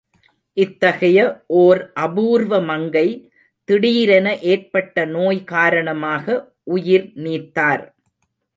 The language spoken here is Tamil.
இத்தகைய ஓர் அபூர்வ மங்கை திடீரென ஏற்பட்ட நோய் காரணமாக உயிர் நீத்தார்!